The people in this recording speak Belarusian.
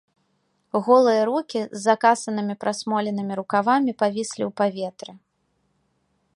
Голыя рукі з закасанымі прасмоленымі рукавамі павіслі ў паветры.